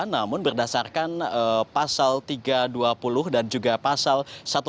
namun berdasarkan pasal tiga ratus dua puluh dan juga pasal satu ratus delapan puluh